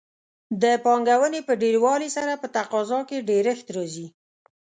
د پانګونې په ډېروالي سره په تقاضا کې ډېرښت راځي.